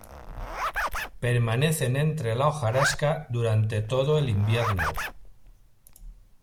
Permanecen entre la hojarasca durante todo el invierno.